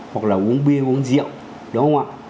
hoặc là uống bia uống rượu đúng không ạ